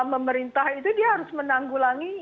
pemerintah itu dia harus menanggulangi